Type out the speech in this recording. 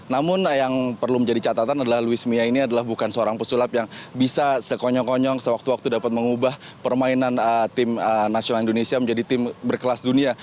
namun yang perlu menjadi catatan adalah luis mia ini adalah bukan seorang pesulap yang bisa sekonyong konyong sewaktu waktu dapat mengubah permainan tim nasional indonesia menjadi tim berkelas dunia